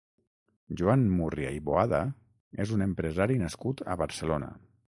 Joan Múrria i Boada és un empresari nascut a Barcelona.